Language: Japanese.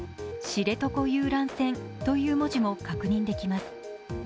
知床遊覧船という文字も確認できます。